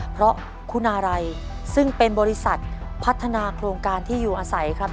เพราะคุณาลัยซึ่งเป็นบริษัทพัฒนาโครงการที่อยู่อาศัยครับ